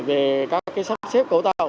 về các cái sắp xếp cấu tạo